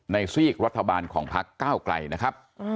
ซีกรัฐบาลของพักก้าวไกลนะครับ